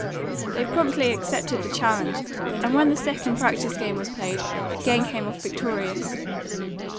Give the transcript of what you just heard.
They promptly accepted the challenge, and, when the second practice game was played, again came off victorious.